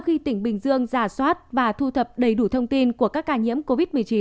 khi tỉnh bình dương giả soát và thu thập đầy đủ thông tin của các ca nhiễm covid một mươi chín